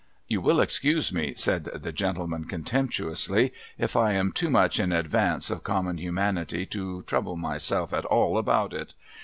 ' You will excuse me,' said the gentleman contemptuously, ' if I am too much in advance of common humanity to trouble myself at all about it.